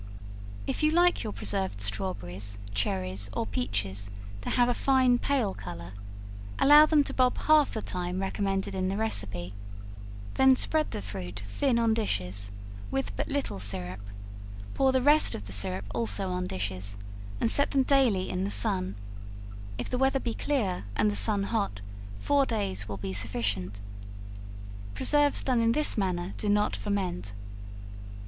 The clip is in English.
If you like your preserved strawberries, cherries, or peaches, to have a fine pale color, allow them to bob half the time recommended in the receipt, then spread the fruit thin on dishes, with but little syrup, pour the rest of the syrup also on dishes, and set them daily in the sun; if the weather be clear and the sun hot, four days will be sufficient. Preserves done in this manner do not ferment.